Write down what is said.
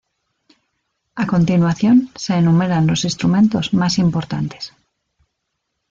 A continuación se enumeran los instrumentos más importantes.